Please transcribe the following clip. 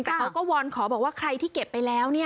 แต่เขาก็วอนขอบอกว่าใครที่เก็บไปแล้ว